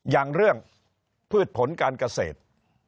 อย่างเรื่องพืชผลการเกษตร